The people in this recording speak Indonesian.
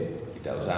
jadi lebih baik